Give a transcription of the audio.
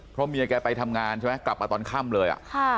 เพราะเมียแกไปทำงานใช่ไหมกลับมาตอนค่ำเลย